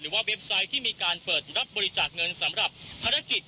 เว็บไซต์ที่มีการเปิดรับบริจาคเงินสำหรับภารกิจ